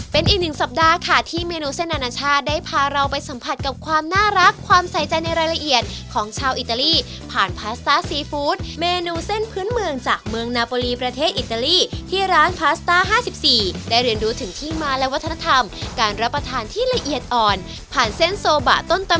เป็นอีกหนึ่งสัปดาห์ค่ะที่เมนูเส้นอนาชาติได้พาเราไปสัมผัสกับความน่ารักความใส่ใจในรายละเอียดของชาวอิตาลีผ่านพาสต้าซีฟู้ดเมนูเส้นพื้นเมืองจากเมืองนาโปรลีประเทศอิตาลีที่ร้านพาสต้า๕๔ได้เรียนรู้ถึงที่มาและวัฒนธรรมการรับประทานที่ละเอียดอ่อนผ่านเส้นโซบะต้นต